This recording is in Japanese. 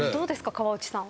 河内さん。